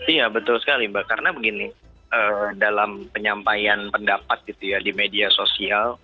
iya betul sekali mbak karena begini dalam penyampaian pendapat gitu ya di media sosial